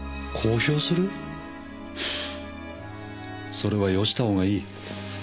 それはよしたほうがいい。